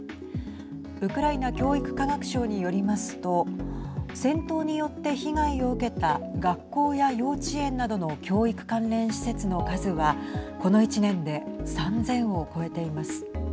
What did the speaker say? ウクライナ教育科学省によりますと戦闘によって被害を受けた学校や幼稚園などの教育関連施設の数はこの１年で３０００を超えています。